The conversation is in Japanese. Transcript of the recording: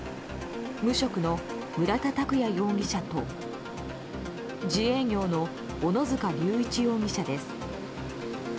無職の村田拓也容疑者と自営業の小野塚隆一容疑者です。